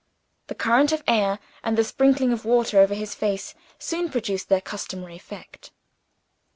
The current of air, and the sprinkling of water over his face, soon produced their customary effect.